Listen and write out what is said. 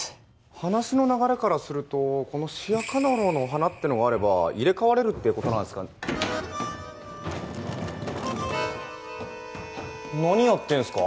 話の流れからするとこのシヤカナローの花ってのがあれば入れ替われるってことなんすか何やってんすか？